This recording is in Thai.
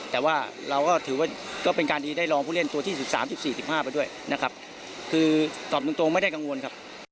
แต่ว่าเราก็ถือว่าก็เป็นการที่ได้รองผู้เล่นตัวที่๑๓๑๔๑๕ไปด้วยนะครับคือตอบตรงไม่ได้กังวลครับ